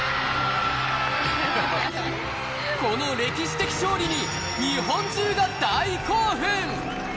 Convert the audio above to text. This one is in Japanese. この歴史的勝利に日本中が大興奮！